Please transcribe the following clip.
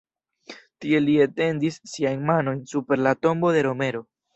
Tie li etendis siajn manojn super la tombo de Romero.